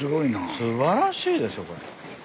すばらしいですよこれ。